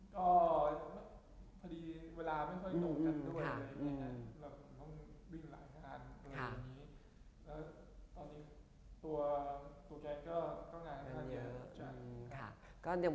ชอบออกงานชอบอะไรที่ชอบ